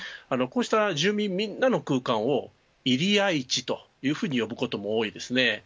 こうした住民みんなの空間を入会地というふうに呼ぶことも多いです。